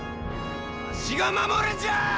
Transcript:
わしが守るんじゃあ！